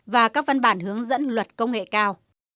và các văn bản hướng dẫn luật công nghệ cao